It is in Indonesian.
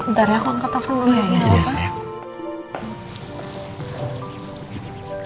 ntar ya aku angkat telfon dulu ya sayang